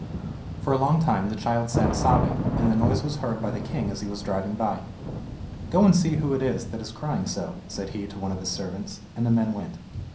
For a long time the child sat sobbing, and the noise was heard by the king as he was driving by. "Go and see who it is that is crying so," said he to one of his servants, and the man went.